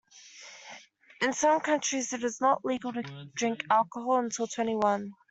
In some countries it is not legal to drink alcohol until twenty-one